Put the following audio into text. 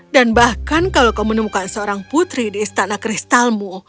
dan bahkan kalau kau menemukan seorang putri di istana kristalmu